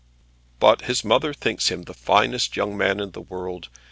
"But his mother thinks him the finest young man in the world.